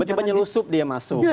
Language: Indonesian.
coba nyelusup dia masuk